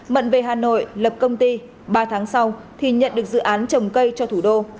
mận về hà nội lập công ty ba tháng sau thì nhận được dự án trồng cây cho thủ đô